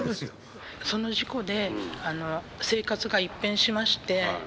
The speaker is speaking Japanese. その事故で生活が一変しまして。